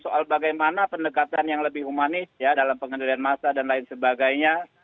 soal bagaimana pendekatan yang lebih humanis dalam pengendalian massa dan lain sebagainya